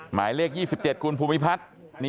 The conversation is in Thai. หมายเลข๒๗คุณภูมิพัฒน์